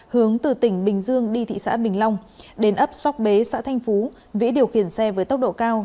hướng từ tỉnh bình dương đi thị xã bình long đến ấp sóc bế xã thành phú vĩ điều khiển xe với tốc độ cao